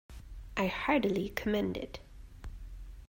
I heartily commend it.